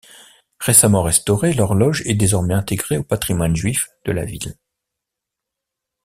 Récemment restaurée, l'horloge est désormais intégrée au patrimoine juif de la ville.